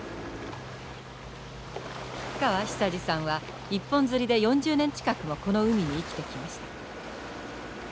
菊川久司さんは一本釣りで４０年近くもこの海に生きてきました。